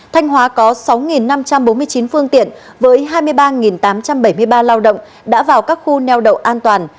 thanh hóa có sáu năm trăm bốn mươi chín phương tiện với hai mươi ba tám trăm bảy mươi ba lao động đã vào các khu neo đậu an toàn